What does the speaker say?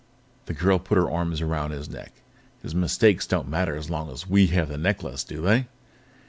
The girl put her arms around his neck. "His mistakes don't matter as long as we have the necklace, do they?"